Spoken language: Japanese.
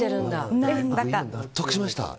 納得しました。